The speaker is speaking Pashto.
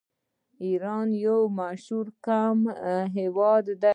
ایران یو څو قومي هیواد دی.